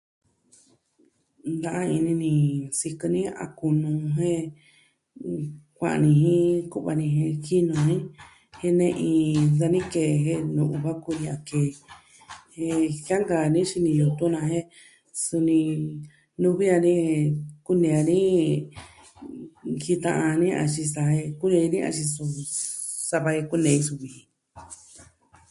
Na ini ni sikɨ ni a kunu jen, kuaa ni jin ku'va jen ki nii kenei dani ke'e nu va kuya kei jen jianka ni xini yutun na jen suni nuvi a ni kune'ya ni jita a ña a xisa e kuiya iki axin suu sava kunee suu vi ji.